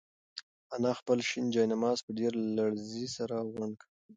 انا خپل شین جاینماز په ډېرې لړزې سره غونډ کړ.